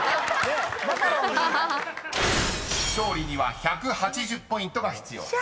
［勝利には１８０ポイントが必要です］